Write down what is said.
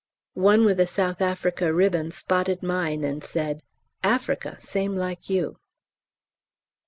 One with a S.A. ribbon spotted mine and said, "Africa same like you."